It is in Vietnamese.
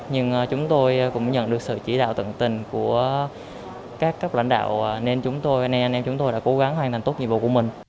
nhưng chúng tôi cũng nhận được sự chỉ đạo tận tình của các lãnh đạo nên chúng tôi đã cố gắng hoàn thành tốt nhiệm vụ của mình